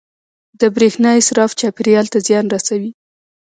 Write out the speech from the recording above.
• د برېښنا اسراف چاپېریال ته زیان رسوي.